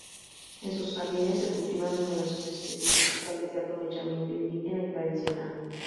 En sus jardines se cultivan numerosas especies vegetales de aprovechamiento indígena y tradicional.